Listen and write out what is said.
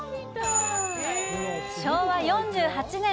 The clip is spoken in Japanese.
昭和４８年